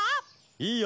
いいよ！